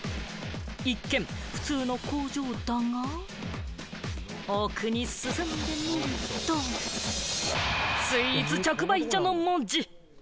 一見、普通の工場だが、奥に進んでみると、スイーツ直売所の文字。